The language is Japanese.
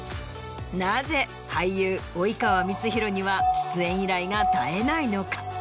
なぜ俳優及川光博には出演依頼が絶えないのか？